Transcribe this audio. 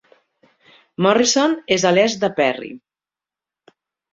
Morrison és a l'est de Perry.